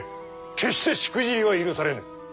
決してしくじりは許されぬ。